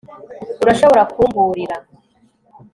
Urashobora kumburira